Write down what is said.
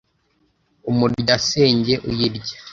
umurya-senge uyirya